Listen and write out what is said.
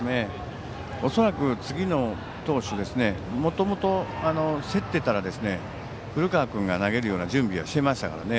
恐らく次の投手ですがもともと競っていたら古川君が投げるような準備はしていましたからね。